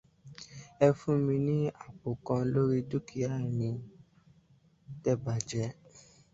Ẹ fún mi ní àpò kan lórí dúkìá mi tẹ bàjẹ́.